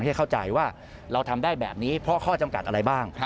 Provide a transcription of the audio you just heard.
ให้เข้าใจว่าเราทำได้แบบนี้เพราะข้อจำกัดอะไรบ้าง